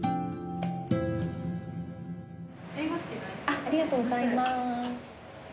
ありがとうございます。